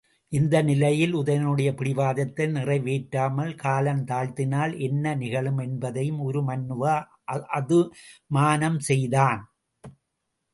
இந்த நிலையில் உதயணனுடைய பிடிவாதத்தை நிறைவேற்றாமல் காலந்தாழ்த்தினால் என்ன நிகழும் என்பதையும் உரு மண்ணுவா அதுமானம் செய்தான்.